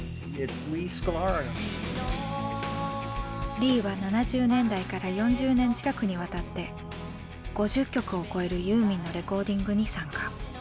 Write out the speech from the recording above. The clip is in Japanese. リーは７０年代から４０年近くにわたって５０曲を超えるユーミンのレコーディングに参加。